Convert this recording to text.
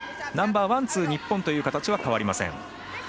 ナンバーワンを出してナンバーワン、ツー日本という形は変わりません。